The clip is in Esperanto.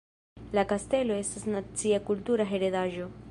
La kastelo estas nacia kultura heredaĵo.